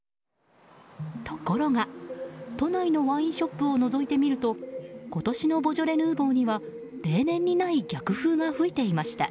ところが、都内のワインショップをのぞいてみると今年のボジョレ・ヌーボーには例年にない逆風が吹いていました。